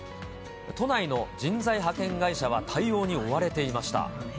都内の人材派遣会社は対応に追われていました。